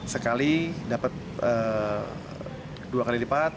sekali dapat dua kali lipat